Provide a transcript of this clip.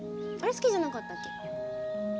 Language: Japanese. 好きじゃなかったっけ？